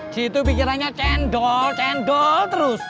situ pikirannya cendol cendol terus